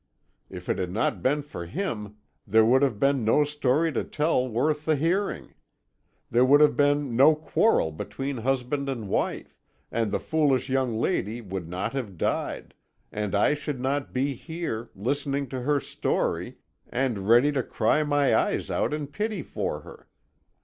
If it had not been for him, there would have been no story to tell worth the hearing; there would have been no quarrel between husband and wife, and the foolish young lady would not have died, and I should not be here, listening to her story, and ready to cry my eyes out in pity for her.